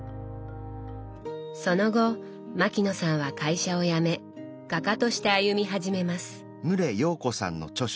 その後牧野さんは会社を辞め画家として歩み始めます。